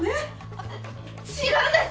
あっ違うんです！